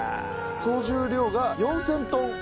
総重量が４０００トン。